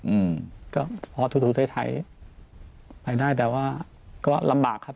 อืมก็พอทุทุท้ายทายไปได้แต่ว่าก็ลำบากครับ